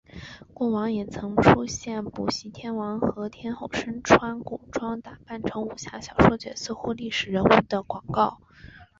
过往也曾出现补习天王和天后身穿古装打扮成武侠小说角色或历史人物的广告。